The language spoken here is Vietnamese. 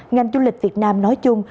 ngành du lịch việt nam nói chung